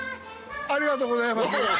ありがとうございます。